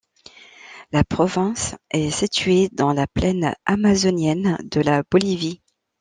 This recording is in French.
La province est située dans la plaine amazonienne de la Bolivie.